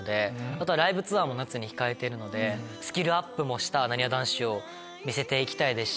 あとはライブツアーも夏に控えてるのでスキルアップもしたなにわ男子を見せていきたいですし。